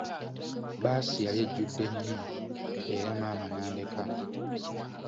Bbaasi yali ejjude nnyo, era maama n'andeka.